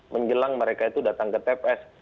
menjelang mereka itu datang ke tps